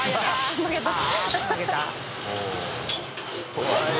怖い。